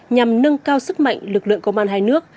nhằm nâng cao sức mạnh lực lượng công an hai nước